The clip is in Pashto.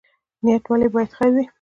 نیت ولې باید خیر وي؟